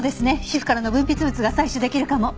皮膚からの分泌物が採取できるかも。